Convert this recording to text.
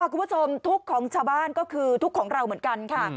คุณผู้ชมทุกข์ของชาวบ้านก็คือทุกข์ของเราเหมือนกันค่ะ